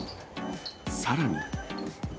さらに。